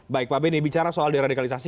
baik pak bini bicara soal diradikalisasi